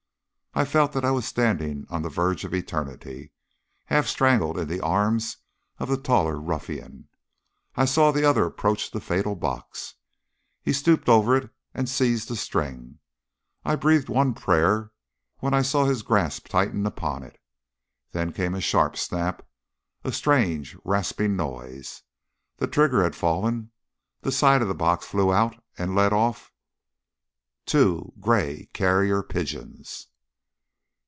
I felt that I was standing on the verge of eternity. Half strangled in the arms of the taller ruffian, I saw the other approach the fatal box. He stooped over it and seized the string. I breathed one prayer when I saw his grasp tighten upon it. Then came a sharp snap, a strange rasping noise. The trigger had fallen, the side of the box flew out, and let off TWO GREY CARRIER PIGEONS!